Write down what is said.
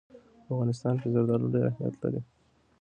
په افغانستان کې زردالو ډېر اهمیت لري.